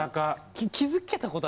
気付けたことあります？